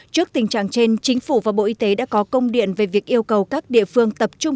trước tình trạng trên chính phủ và bộ y tế đã có công điện về việc yêu cầu các địa phương tập trung